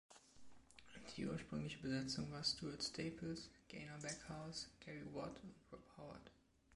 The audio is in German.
Die ursprüngliche Besetzung war Stuart Staples, Gaynor Backhouse, Gary Watt und Rob Howard.